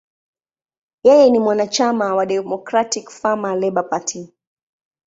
Yeye ni mwanachama wa Democratic–Farmer–Labor Party.